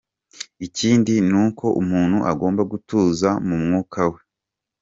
Ikindi ni uko umuntu agomba gutuza mu mwuka we.